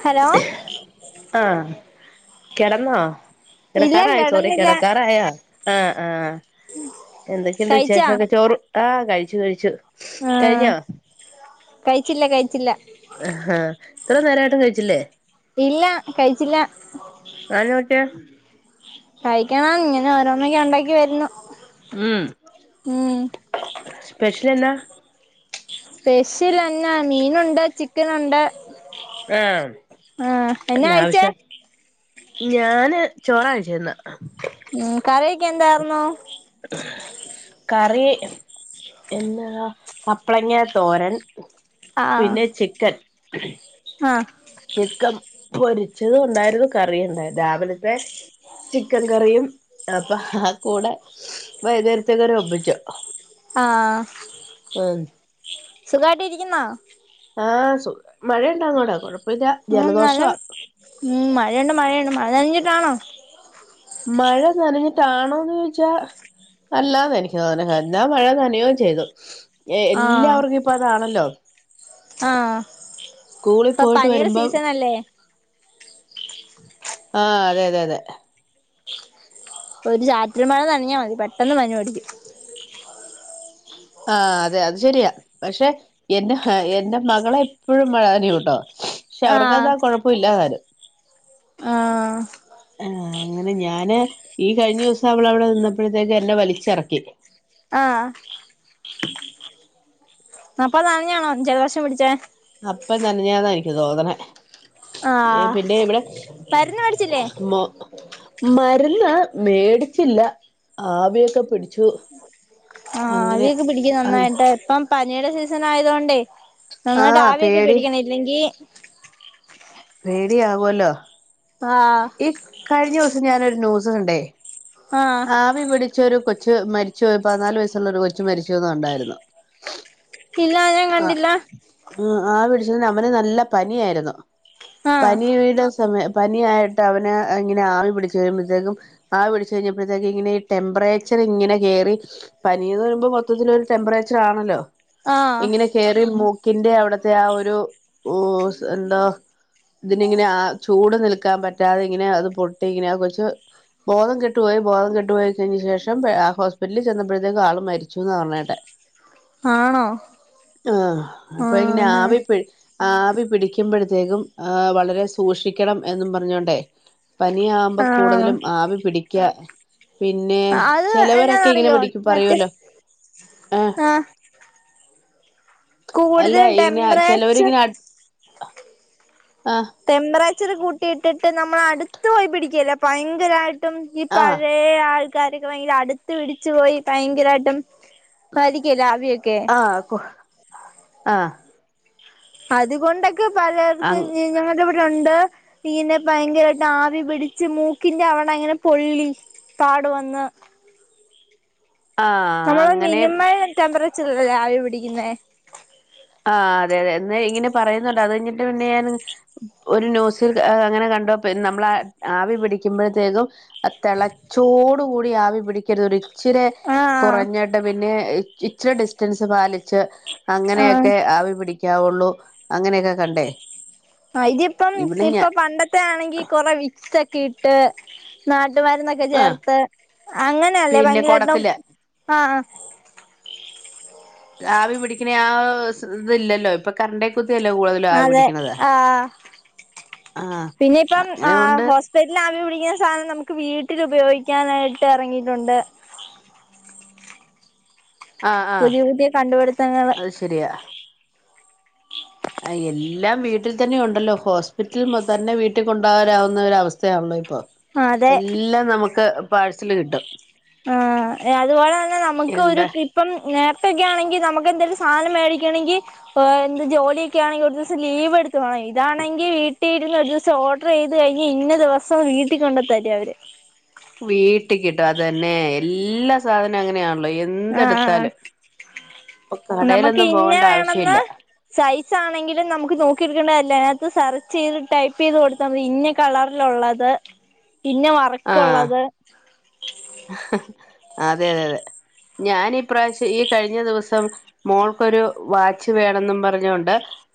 Hello ആഹ് കെടന്നോ? ഇല്ല കെടക്കാറായാ സോറി കിടന്നില്ല കെടക്കാറായാ? ആഹ് ആഹ് എന്തൊക്കെണ്ട് കഴിച്ചാ വിശേഷക്കെ? ചോറ് ആഹ് കഴിച്ചു കഴിച്ചു ആഹ് കഴിഞ്ഞോ കയ്ച്ചില്ല കയ്ച്ചില്ല ഹ് ഹാ ഇത്ര നേരായിട്ടും കയിച്ചില്ലേ? ഇല്ല കയിച്ചില്ല. [unintelligible] കയിക്കണം, ഇങ്ങനെ ഓരോന്നക്കെ ഒണ്ടാക്കി വരുന്നു. മ്ം ഉം സ്പെഷ്യൽ എന്നാ? സ്പെഷ്യൽ എന്നാ മീനുണ്ട് ചിക്കനൊണ്ട് ആഹ് ആഹ് എന്നാ കഴിച്ചേ? ലാവിഷാ ഞാന് ചോറാ കഴിച്ചെ ഇന്ന് ഉം കറിക്കെ എന്തായ്ര്ന്നു? കറീ. എന്നാ കപ്പ്ളങ്ങാ തോരൻ ആഹ് പിന്നെ ചിക്കൻ ആഹ്. ചിക്കൻ പ്പൊരിച്ചത് ഒണ്ടായിരുന്നു കറി ഒണ്ടായി രാവിലത്തെ ചിക്കൻ കറിയും അപ്പൊ ഹാഹ് കൂടെ വൈന്നേരത്തേക്കരു [unintelligible] ആഹ് സുഖായ്ട്ട് ഇരിക്കുന്നോ? ആഹ് സു മഴയുണ്ടങ്ങോടാ കൊഴപ്പ ഉ നല്ല ഉം മഴയുണ്ട് മഴയുണ്ട് മഴ നഞ്ഞിട്ടാണോ? മഴ നനഞ്ഞിട്ടാണോന്ന് ചോയ്ച്ചാ അല്ലാന്ന് എനിക്ക് തോന്നെ [unintelligible] മഴ നനയൂം ചെയ്തു. എ ആഹ് എല്ലാവർക്കും ഇപ്പ അതാണല്ലോ. ആഹ് സ്കൂളി ഇപ്പൊ പോയിട്ട് പനിയുടെ വരുമ്പോം സീസൺ അല്ലേ ആഹ് അതെ അതെ അതെ. ഒരു ചാറ്റ മഴ നനഞ്ഞാ മതി പെട്ടെന്ന് പനി പിടിക്കും ആഹ് അതെ അത് ശരിയാ, പക്ഷെ എന്റെ ഹ എന്റെ മകളെ എപ്പോഴും മഴനനയൂട്ടോ. പക്ഷെ ആഹ് അവർക്കതാ കുഴപ്പ ഇല്ലാ [unintelligible] ലം ആഹ ആ അങ്ങനെ ഞാന് ഈ കഴിഞ്ഞ ദിവസം അവള അവിടെ നിന്നപ്പോഴത്തേക്ക് എന്നെ വലിച്ചിറക്കി ആഹ അപ്പൊ നനഞ്ഞണോ ജലദോഷം പിടിച്ചേ അപ്പൊ തന്നെയാതാ എനിക്ക് തോന്നണെ ഏ ആഹ് പിന്നെ ഇവിടെ മരുന്ന് മേടിച്ചില്ലേ മ മരുന്ന് മേടിച്ചില്ല ആവിയൊക്കെ പിടിച്ചു ആഹ അങ്ങനെ അവിയൊക്കെ പിടിക്ക ആഹ് നന്നായിട്ട ഇപ്പം പനിയുടെ സീസൺ ആയതോൊണ്ടേ നന്നായിട്ട് ആഹ് ആവിക്കെ പ പേടി പിടിക്കണല്ലെങ്കി പേടിയകുമല്ലോ ആഹ ഈ കഴിഞ്ഞ ദിവസം ഞാനൊരു ന്യൂസ് കണ്ടേ ആഹ ആവി പിടിച്ചൊരു കൊച്ചു മരിച്ചു പതിനാല് വയസ്സുള്ള ഒരു കൊച്ചു മരിച്ചന്ന ഉണ്ടായിരുന്നു ഇല്ല ഞാൻ കണ്ടില്ല ആ ആ പിടിച്ചന് അവന നല്ല പനിയായിരുന്നു ആഹ് പനീ [unintelligible] സമയ പനിയായിട്ട് അവെ ഇങ്ങനെ ആവി പിടിച്ച് കഴിയുമമ്പോഴത്തേക്കും ആവിടിച്ചു കഴിഞ്ഞപ്പോഴത്തേക്ക് ഇങ്ങനെ ഈ ടെമ്പറേച്ചർ ഇങ്ങനെ കയറി പനിയെന്ന് പറയുമ്പോൾ മൊത്തത്തിലൊരു ടെംമ്പറേച്ചർ ആണല്ലോ ആഹ് ഇങ്ങനെ കയറി മൂക്കിന്റെ അവിടത്തെ ആ ഒരു എന്താ ഇതി ഇങ്ങനെ ആ ചൂട് നിൽക്കാൻ പറ്റാത ഇങ്ങനെ അത് പൊട്ടി ഇങ്ങനെ കുറച്ച് ബോധം കെട്ടപോയി ബോധം കെട്ടപോയി കഴിഞ്ഞ ശേഷം ആ ഹോസ്പിറ്റലിൽ ചെന്നപ്പോഴേക്ക് ആൾ മരിച്ചന്ന് പറഞ്ഞിട്ടെ ആണോ ആഹ അപ്പ ഇങ്ങനെ ആഹ് ആവിപി ആവി പിടിക്കുമ്പോഴത്തേക്കും ആ വളരെ സൂക്ഷിക്കണം എന്നും പറഞ്ഞോണ്ടേ പനിയകുമ്പോ ആഹ് കൂടുതലും ആവി പിടിക്ക പിന്നെ അത് ചിലവരൊക്കെ ഇങ്ങനെ എന്നാന്നറിയോ പിടിക്ക മറ്റേ പറയലോ ആ ആഹ് അല്ല കൂടുതലും ഇങ്ങനെ ടെമ്പറേച്ചർ ചിലവർങ്ങനെ ആഹ ടെമ്പറേച്ചർ കൂട്ടിയിട്ടിട്ട് നമ്മള അടുത്ത് പോയി പിടിക്കല്ലേ ഭയങ്കരമായിട്ടും ഈ ആഹ് പഴയ [unintelligible] ആൾക്കാരക്കെ ഭയങ്കര അടുത്ത് പിടിച്ചു പോയി ഭയങ്കരമായിട്ട് ആഹ് ആഹ അതുകൊണ്ടൊക്കെ പല [unintelligible] ഞ ആഹ് [unintelligible] ണ്ട് ഇങ്ങനെ ഭയങ്കരമായിട്ട് ആവി പിടിച്ച് മൂക്കിന്റെ അവിടെ അങ്ങനെ പൊല്ലി പാട് വന്ന് നമ്മള് അങ്ങനെ മിനിമം ടെമ്പറേച്ചർ ഇല്ലല്ലേ ആവി പിടിക്കുന്ന ആ് അതെ അതെ എന്ന് ഇങ്ങനെ പറയുന്നുണ്ട് അത് കഴിഞ്ഞിട്ട് പിന്നെ ഞാൻ ഒരു ന്യൂസിൽ അങ്ങനെ കണ്ടോ നമ്മള ആവി പിടിക്കുമ്പോഴത്തേക്കും ആ തിളച്ചോട് കൂടി ആവി പിടിക്കരുത് ഒരു ഇച്ചിരി ആഹ് കുറഞ്ഞിട്ട് പിന്നെ ഇച്ചിരി ഡിസ്റ്റൻസ് പാലിച്ച് അങ്ങനെെ ആഹ് ആവി പിടിക്കാവുള്ളൂ അങ്ങനെയൊക്കെ കണ്ടേ ആ ഇതിപ്പം ഇവിടെ ഞാ ഇപ്പ പണ്ടത്തെ ആണെങ്കി കൊറ വികസോക്കെ ഇട്ട് നാട്ടു മരുന്നൊക്കെ ആഹ് ചേർത്ത് അങ്ങനെല്ലേ പിന്നെ ഭയങ്കരട്ടം കുടത്തില് ആ ആവി പിടിക്കുന്ന ആ ഇത് ഇല്ലല്ലോ ഇപ്പൊ കറിണ്ട കുത്തിയല്ലോ കൂടുതലും ആവി അതെ പിടിക്കണതാ ആ ആഹ അങ്ങനെൊണ്ട് [unintelligible] ട്ടിൽ ആവി പിടിക്കുന്ന സാധനം നമുക്ക് വീട്ടിൽ ഉപയോഗിക്കാനായിട്ട് ഇറങ്ങിയിട്ടുണ്ട് ആ ആ പുതിയ പുതിയ കണ്ടുപിടുത്തങ്ങള് അത് ശരിയായാണ് ആ എല്ലാം വീട്ടിൽ തന്നെയ ഉണ്ടല്ലോ ഹോസ്പിറ്റൽ തന്നെ വീട്ടിൽകൊണ്ടാകാവുന്ന ഒരു അവസ്ഥയാണല്ലോ ഇപ്പൊ അതെ എല്ലാം നമുക്ക് പാഴ്സല് കിട്ടും ആ അതുപോലെ തന്നെ നമുക്ക് ഒരു എന്താ കി ഇപ്പം നേരത്തെയോക്കെ ആണെങ്കിൽ നമുക്ക് എന്തായാലും സാധനം മേടിക്കണെങ്കി എന്ത് ജോലിയൊക്കൊണെങ്കിൽ ഒരു ദിവസം ലീവ് എടുത്തു പോണം ഇതാണെങ്കിൽ വീട്ടിൽ ഇരുന്ന് ഒരു ദിവസം ഓർഡർ ചെയ്ത് കഴിഞ്ഞ ഇന്ന ദിവസം വീട്ടിൽ കൊണ്ടത്തരും അവര് വീട്ടികിട്ടും അത്തന്നെ എല്ലാ സാധന അങ്ങനെയാണല്ലോ എ ആഹ് എന്തെടുത്താലും ഇപ്പൊ നമുക്ക് കടയിലൊന്നും ഇന്ന പോകണ്ട വേണന്ന് ആവശ്യല്ല സൈസ് ആണെങ്കിലും നമുക്ക് നോക്കിെടുക്കേണ്ട കാര്യല്ല അതിനകത്ത് സെർച്ച് ചെയ്ത് ടൈപ്പ് ചെയ്ത് കൊടുത്താൽ മതി ഇന്ന കളറിലൊള്ളത് പിന്നെ ആഹ് വർക്കൊള്ളത് അതെ അതെ അതെ ഞാൻ ഇപ്രാവശ്യം ഈ കഴിഞ്ഞ ദിവസം മോൾക്കൊരു വാച്ച് വേണെന്നും പറഞ്ഞൊണ്ട്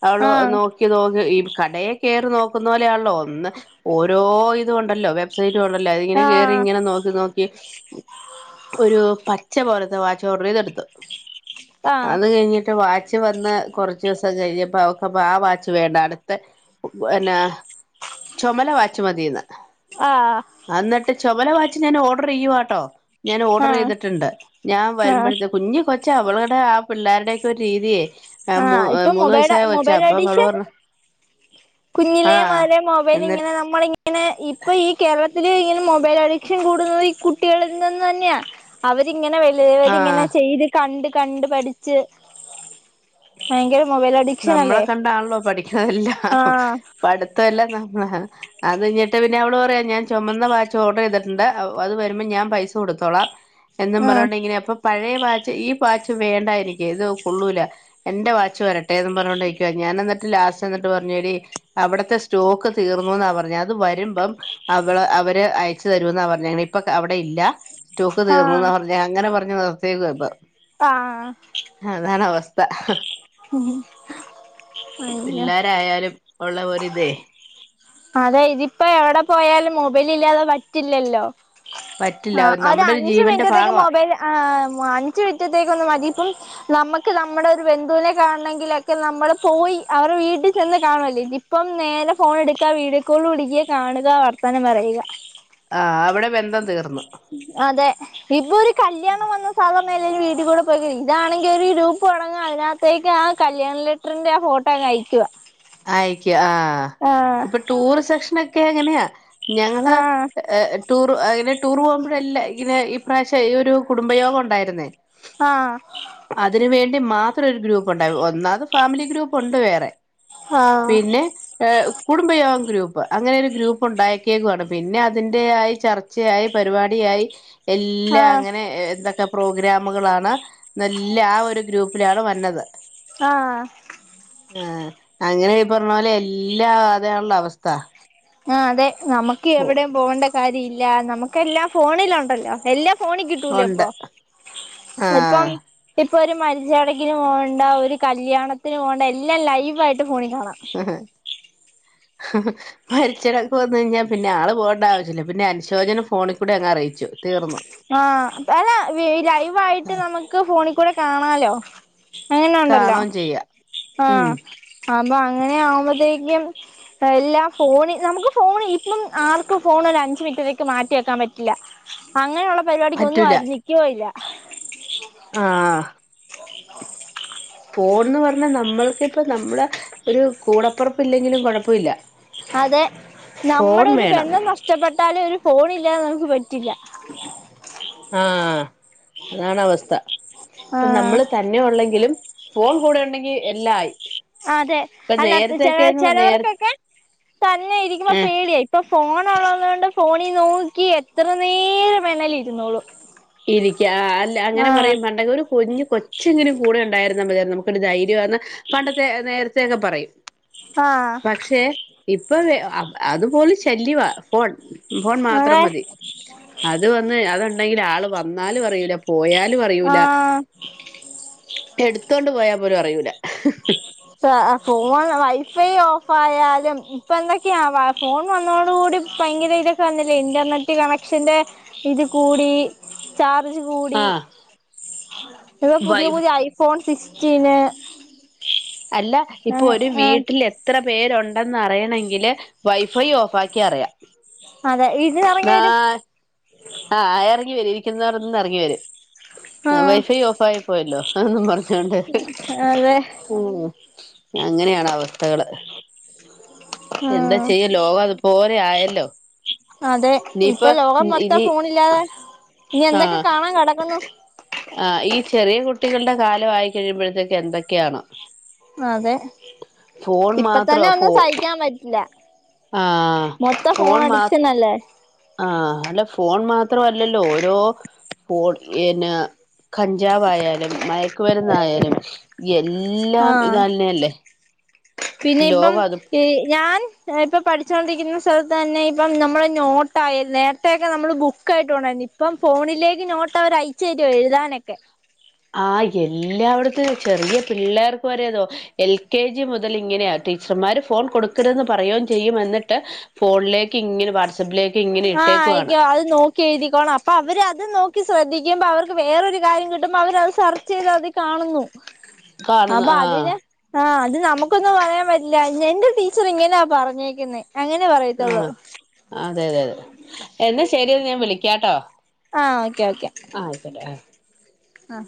അവള് ആഹ് നോക്കി നോക്കി ഈ കടയെ കേറി നോക്കുന്ന പോലെയാണല്ലോ ഒന്ന് ഓരോ ഇത് ഇണ്ടല്ലോ വെബ്സൈറ്റ് ണ്ടല്ലോ അത് ഇങ്ങനെ ആഹ് കേറിങ്ങനെ നോക്കി നോ ക്കി ഒരു പച്ച പോലത്തെ വാച്ച് ഓഡർ ചെയ്തെടുത്തു ആഹ് അത് കഴിഞ്ഞിട്ട് വാ ച്ച് വന്ന് കുറച്ച് ദിവസം കഴിഞ്ഞപ്പോ അവക്ക്പ്പ ആ വാച്ച് വേണ്ട അടുത്ത അ എന്നാ ചൊമല വാച്ചുമതിന്ന് ആഹ് അന്നിട്ട് ചുമല വാച്ച് ഞാൻ ഓർഡർ ചെയ്യുവാട്ടോ ഞാൻ ഓർഡർ ആഹ് ചെയ്തിട്ടുണ്ട് ഞാൻ ആഹ് വരുമ്പോഴത്തെ കുഞ്ഞി കൊ ച്ചാ അവളുടെ ആ പിള്ളേരുടെയൊക്കെ ഒരു രീതിയെ ആ മു ആഹ് ഇപ്പൊ മൂന്ന് മൊബൈൽ വയസായ കൊച്ചാ മൊബൈൽ അപ്പ അവള് എഡിഷൻ പറഞ്ഞു കുഞ്ഞിലേ ആ മൊതലേ മൊബൈൽ എന്നിട്ട് ഇങ്ങനെ നമു നമ്മളിങ്ങനെ ഇപ്പൊ ഈ കേരളത്തിൽ ഇങ്ങനെ മൊബൈൽ അഡിക്ഷൻ കൂടുന്നത് ഈ കുട്ടികളിൽ നിന്ന് തന്നെയാ അവരിങ്ങനെ വലിയവരിങ്ങനെ ആഹ് ചെയ്ത് കണ്ട് കണ്ട് പഠിച്ച് ഭയങ്കര മൊബൈൽ അടി നമ്മളെ കണ്ടാണല്ലോ പഠിക്കണതെല്ലാം ആഹ് പഠിത്തെല്ലാം നമ്മള അത് കഞ്ഞിട്ട് പിന്നെ അവള് പറയാം ഞാൻ ചുമന്ന വാച്ച് ഓർഡർ ചെയ്തിട്ടുണ്ട് അത് വരുമ്പോൾ ഞാൻ പൈസ കൊടുത്തോളാം എന്നും ഉം പറഞ്ഞണ്ടെങ്ങനെ അപ്പൊ പഴയ വാച്ച് ഈ വാച്ച് വേണ്ടായെനിക്ക് ഇത് കൊള്ളൂല എൻ്റെ വാച്ച് വരട്ടെന്ന് പറഞ്ഞൊണ്ടിരിക്കുവാ ഞാൻ എന്നിട്ട് ലാസ്റ്റ് എന്നിട്ട് പറഞ്ഞു എടി അവിടത്തെ സ്റ്റോക്ക് തീർന്നുന്നാ പറഞ്ഞത് അത് വരുമ്പം അവള് അവര് അയച്ചു തരൂന്നാ പറഞ്ഞ ഇപ്പൊ അവിടെ ഇല്ല സ്റ്റോക്ക് തീർന്നുന്നാ ആഹ് പറഞ്ഞ അങ്ങനെ പറഞ്ഞു നിർത്തയേക്കപ്പ ആഹ് ആഹ് അതാണവസ്ഥ ഉം പിള്ളോരായാലും ഒള്ള ഒരിതേ അതെ ഇതിപ്പോ എവിടെ പോയാലും മൊബൈൽ ഇല്ലാതെ പറ്റില്ലല്ലോ പറ്റില്ല ആഹ് ഒരു നമ്മുടെ അഞ്ച് ജീവന്റെ മിനറ്റത്തെക്ക് ഭാഗവാ മൊബൈൽ ആ അഞ്ചുമിനിറ്റത്തേക്ക് ഒന്ന് മതി ഇപ്പം നമ്മക്ക് നമ്മടൊരു ബന്ധുവിനെ കാണെങ്കിലൊക്കെ നമ്മള് പോയി അവരെ വീട്ടിചെന്ന് കാണുവല്ലേ ഇപ്പം നേരെ ഫോണെടുക്കാ, വീഡിയോകോൾ വിളിക്കാ, കാണുക, വർത്താനം പറയുക. ആഹ് അവിടെ ബന്ധം തീർന്ന്. അതെ ഇപ്പൊ ഒരു കല്യാണം വന്ന സാധാരണ എല്ലാരും വീടി കൂടെ പോയിക്ക ഇതാണെങ്കിൽ ഒരു ഗ്രൂപ്പ്‌ തുടങ്ങ അതിനകത്ത് ശരിക്കും ആ കല്യാണ ലെറ്ററിന്റെ ആ ഫോട്ടോങ്ങയക്കുക ആയിക്കുവ ആ ഇപ്പൊ ടൂറ് സെഷനൊക്കെ അങ്ങനെയാ ഞങ്ങള് ആഹ് ടൂർ അങ്ങനെ ടൂർ പോകുമ്പോഴെല്ല ഇങ്ങനെ ഈപ്രാവശ്യം ഈ ഒരു കുടുംബയോഗം ഉണ്ടായിരുന്നേ ആഹ് അതിന് വേണ്ടി മാത്രം ഒരു ഗ്രൂപ്പ് ഉണ്ടാവ ഒന്നാത് ഫാമിലി ഗ്രൂപ്പ് ഉണ്ട് വേറെ ആഹ് ആഹ് പിന്നെ ഏഹ് കുടുംബയോഗം ഗ്രൂപ്പ്, അങ്ങനൊരു ഗ്രൂപ്പുണ്ടായേക്കേ ക്കുവാണ്, പിന്നെ അതിന്റേയായി ചർ ച്ചയായി, പരിപാടിയായി എല്ലാ അങ്ങനെ എന്തൊക്കെ പ്രോഗ്രാമുകളാണ് എന്നല്ല ആ ഒരു ഗ്രൂപ്പ് ലാണ് വന്നത് ആഹ് ആഹ് അങ്ങനെ ഈ പറഞ്ഞപോലെ എല്ലാം അതാണല്ലോ അവസ്ഥ. ആഹ് അതെ നമ്മുക്കെവിടേം പോണ്ട കാര്യംല്ല നമുക്കെല്ലാം ഫോണിലുണ്ടല്ലോ എല്ലാം ഫോണി ഉണ്ട് കിട്ടൂലെപ്പൊ, ഇപ്പം ആഹ് ഇപ്പൊരു മരിച്ചടക്കിന് പോവണ്ട ഒരു കല്യാണത്തിന് പോണ്ട എല്ലാം ലൈവായിട്ട് ഫോണിൽ കാണാം. ആഹ് [unintelligible] മരിച്ചടൊക്കെ വന്നുഴിഞ്ഞാ പിന്നെ ആള് പോണ്ടാവിശ്യല്ല, പിന്നെ അനുശോചനം ഫോണികൂടങ്ങ് അറീച്ചു, തീർന്നു. ആന് അല്ല ഈ ലൈവായിട്ട് നമ്മക്ക് ഫോണികൂടെ കാണാലോ അങ്ങനെണ്ടല്ലോ കാണുകയും ചെയ്യാം ആ ഉം അപ്പൊ അങ്ങനെ ആവുമ്പൊത്തേക്കും എല്ലാം ഫോണി നമുക്ക് ഫോണ് ഇപ്പം ആർക്കും ഫോണൊരഞ്ചു മിൻറ്റത്തേക്ക് മാറ്റിക്കാൻപറ്റില്ല. അങ്ങനെയുള്ള പരിപാടിക്കൊന്നും പറ്റൂല ആരും നിക്കെയും ഇല്ല ആഹ് ഫോണ്ന്ന് പറഞ്ഞാ നമ്മൾക്കിപ്പ നമ്മളെ ഒരു കൂടപ്പെർപ്പില്ലെങ്കിലും കൊഴപ്പവില്ല അതെ, നമ്മടൊരു വേണം ബന്ധം നഷ്ടപ്പെട്ടാലും ഒരു ഫോണില്ലാതെ നമുക്ക്പറ്റു ആഹ് അതാണവസ്ഥ ഇപ്പ ആഹ് നമ്മള് ത ന്നെ ഉള്ളെങ്കിലും ഫോൺകൂടെ ഉണ്ടെങ്കിൽ എല്ലാം ആയി അതെ, അല്ലാതെ ചെല നേര ചെലോർക്കൊക്കെ തന്നെ ഇരിക്കുമ്പോ ഏഹ് പേടിയാ ഇപ്പൊ ഫോൺ ഒള്ളത് കൊണ്ട് ഫോണീനോക്കി എത്രനേരം വേണെലിരുന്നോളും ഇരിക്കാ അല്ല അങ്ങനെ പറയും പണ്ടക്കൊരു കുഞ്ഞ് കൊ ച്ചെങ്കിലും കൂടെ ഉണ്ടായിരുന്നാ മതിയാരുന്നു നമുക്കൊരു ധൈര്യാന്ന് പണ്ടത്തെ നേരത്തെയൊക്കെ പറയും. ആഹ് പക്ഷെ ഇപ്പൊ അ അതുപോലെ ശല്യവാ ഫോൺ, ഫോൺ മാത്രം അതെ മതി. അത് വന്ന് അതുണ്ടെങ്കില് ആള് വന്നാലും അറിയൂല, പോയാലും അറിയൂല. ആഹ് എടുത്തോണ്ട് പോയാപോലും അറിയൂല ഹ് ഹ് ഹ് ആഹ് ആഹ് ഫോൺല് വൈഫൈ ഓഫായാലും ഇപ്പൊന്തൊക്കെയാ വാർ ഫോൺ വന്നോടുകൂടി ഭയങ്കര ഇതൊക്കെവന്നില്ലേ ഇൻ്റർനെറ്റ് കണക്ഷൻ്റെ ഇത് കൂടി ചാർജ് കൂടി ആഹ് ഇപ്പ പുതിയ വൈഫ് പുതിയ ഐ ഫോൺ സിക്സ്റ്റീന് അല്ല ഇപ്പൊ ആഹ് ഒരു ആഹ് വീട്ടിൽ എത്ര പേരൊണ്ടെന്ന് അറിയണങ്കില് വൈഫൈ ഓഫാക്കിയാ അറിയാം, അതെ ഇതിന് ഇറങ്ങി നാ വരും ആഹ് ആഹ് എറങ്ങി വരും, ഇരിക്കുന്നോട്ത്ത്ന്ന് എറങ്ങിവരും, ആഹ് വൈഫൈ ഓഫായിപ്പോയല്ലോ എന്നും പറഞ്ഞ് അതെ. മ് അങ്ങനെയാണവസ്ഥകള് ഉം എന്താചെയ്യ, ലോകം അത്പോലെ ആയല്ലോ. അതെ, ഇനിയിപ്പ ഇപ്പം ലോകം മൊത്തം ഇനി ഫോണിലാ ആഹ് ആ ഈ ചെറിയ കുട്ടികൾടെകാലം ആയികഴിയുമ്പോഴ്ത്തേക്കെന്തൊക്കെയാണൊ? അതെ ഫോൺ ഇപ്പ മാത്രോ തന്നെ ഒന്നും ഫോ സഹിക്കാൻ പറ്റില്ല ആഹ് മൊത്തം ഫോൺ മാ ഫോണടിക്ഷനല്ലേ ആഹ് അല്ല ഫോൺ മാത്രല്ലല്ലോ ഓരോ പ്പോൾ [unintelligible] കഞ്ചാവായാലും മയക് ക്ക് മരുന്നായാലും, എല്ലാം ആഹ് ഇതാന്നെല്ലേ പിന്നെ ഇപ്പം ഈ ഞാൻ ഞാൻ ഇപ്പൊ പഠിച്ചോണ്ടിക്കുന്ന സ്ഥലത്തെന്നെ ഇപ്പം നമ്മള് നോട്ടായി, നേര്ത്തെക്കെ നമ്മള് ബുക്കായിട്ട് കൊണ്ടാരുന്നു, ഇ ഇപ്പം ഫോണിലേക്ക് നോട്ട് അവര് അയച്ചു തരുവാ എഴുതാനൊക്കെ ആ എല്ലായിടത്തും ചെറിയ പിള്ളേർക്ക് വരതോ എൽ കെ ജി മുതൽ ഇങ്ങനെയ ടീച്ചർമാര് ഫോൺ കൊടുക്കരുതെന്ന് പറയു ചെയ്യും എന്നിട്ട് ഫോണിലേക്ക് ഇങ്ങനെ വ [unintelligible] ആഹ ആയികോ അത് നോ എഴുതിക്കോണം അപ്പോ അവര് അത് നോക്കി ശ്രദ്ധിക്കുമ്പോൾ അവർക്ക് വേറൊരു കാര്യം കിട്ടുമ്പോൾ അവർത് സെർച്ച് ചെയ്ത് അതിൽ കാണുന്നു. അ കാണുന്ന ആഹ് ബാതില് ആഹ അത് നമുക്കൊന്നു പറയാൻ പറ്റില്ല എന്റെ ടീച്ചർ ഇങ്ങനെയാ പറഞ്ഞേക്കുന്നെ. അങ്ങനെ പറയത്തുള്ളൂ ആഹ് അതെ അതെതെ എന്നാ ശരിയെന്ന് ഞാൻ വിളിക്കാട്ടോ. ആ ഓക്കെ ഓക്കെ ആഹ് ആയിക്കോട്ടെ ആഹ് ആ